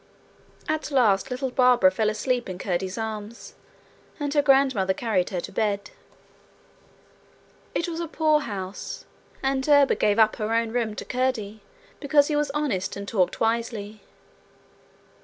At last little Barbara fell asleep in Curdie's arms, and her grandmother carried her to bed. It was a poor little house, and Derba gave up her own room to Curdie because he was honest and talked wisely.